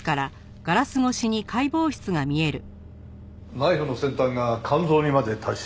ナイフの先端が肝臓にまで達している。